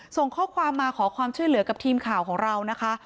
ส่งข้อความมาขอความช่วยเหลือกับทีมข่าวของเรานะคะ